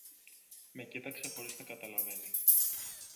Με κοίταξε χωρίς να καταλαβαίνει